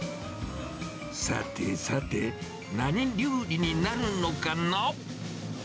さてさて、何料理になるのかな？